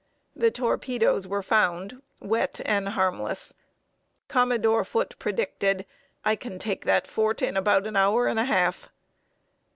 The torpedoes were found wet and harmless. Commodore Foote predicted "I can take that fort in about an hour and a half."